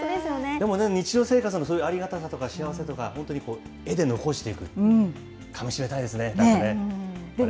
でも、日常生活のそういうありがたさとか幸せとか、本当にこう、絵で残していく、楽しみたいですね。